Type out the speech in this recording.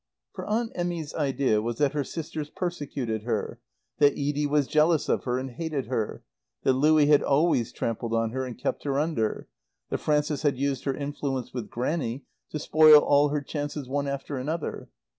For Aunt Emmy's idea was that her sisters persecuted her; that Edie was jealous of her and hated her; that Louie had always trampled on her and kept her under; that Frances had used her influence with Grannie to spoil all her chances one after another.